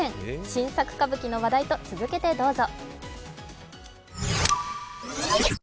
新作歌舞伎の話題と続けてどうぞ。